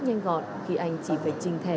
nhanh gọn khi anh chỉ phải trình thẻ